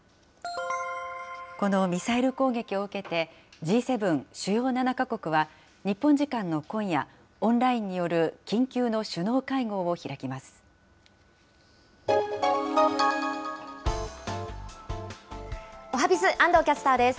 このミサイル攻撃を受けて、Ｇ７・主要７か国は日本時間の今夜、オンラインによる緊急の首脳会合を開きます。